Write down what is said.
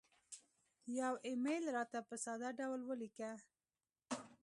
یو ایمیل راته په ساده ډول ولیکه